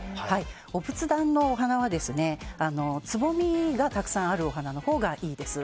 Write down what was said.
お仏壇のお花はつぼみがたくさんあるお花のほうがいいです。